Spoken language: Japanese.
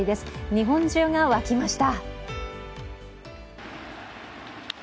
日本中が沸きました。